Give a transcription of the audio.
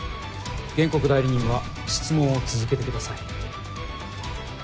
原告代理人は質問を続けてください。